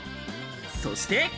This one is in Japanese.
そして。